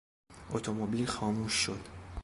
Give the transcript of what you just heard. اتومبیل خاموش شد.